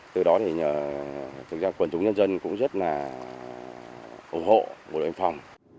từ đó thì thực ra quần chúng nhân dân cũng rất là ủng hộ bộ đội biên phòng